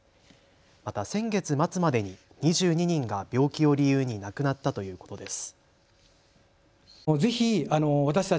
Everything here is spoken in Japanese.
また先月末までに２２人が病気を理由に亡くなったということです。